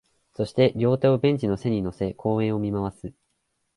そして、両手をベンチの背に乗せ、公園を見回す